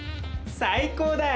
最高だよ！